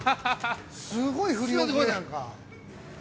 すごい振り遅れやんか。